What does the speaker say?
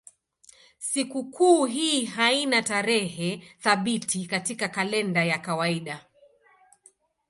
Sikukuu hii haina tarehe thabiti katika kalenda ya kawaida.